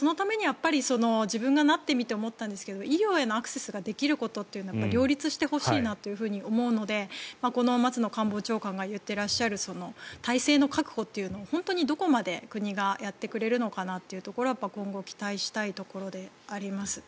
自分がなってみて思ったのは医療へのアクセスは両立してほしいなと思うので松野官房長官が言っている体制の確保というのを本当にどこまで国がやってくれるのかなというところを今後期待したいところではあります。